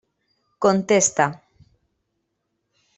Contesta.